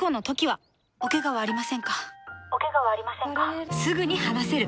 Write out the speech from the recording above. おケガはありませんか？